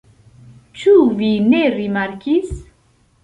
Ĉu vi ne rimarkis?